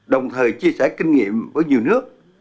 đồng thời chia sẻ kinh nghiệm với nhiều nước